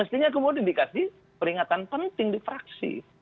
mestinya kemudian dikasih peringatan penting di fraksi